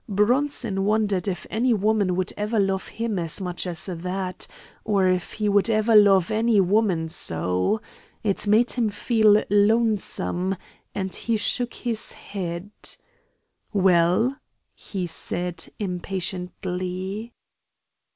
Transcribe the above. Bronson wondered if any woman would ever love him as much as that, or if he would ever love any woman so. It made him feel lonesome, and he shook his head. "Well?" he said, impatiently.